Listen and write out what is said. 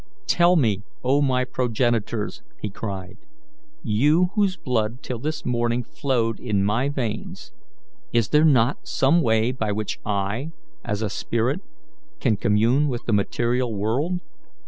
"Tell me, O my progenitors," he cried, "you whose blood till this morning flowed in my veins, is there not some way by which I, as a spirit, can commune with the material world?